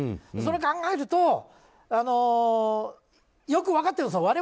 それを考えるとよく分かってはいるんです。